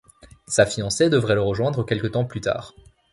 Sa fiancée devrait le rejoindre quelque temps plus tard.